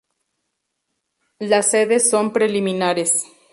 Las sedes son preliminares.